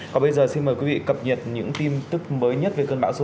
còn bây giờ xin mời quý vị cập nhật những tin tức mới nhất về cơn bão số năm